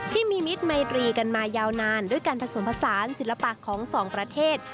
มิตรมัยตรีกันมายาวนานด้วยการผสมผสานศิลปะของสองประเทศ